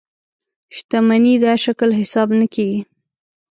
شتمنۍ دا شکل حساب نه کېږي.